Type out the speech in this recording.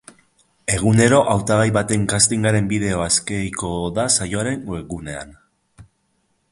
Egunero hautagai baten castingaren bideoa eskegiko da saioaren webgunean.